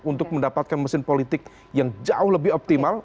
untuk mendapatkan mesin politik yang jauh lebih optimal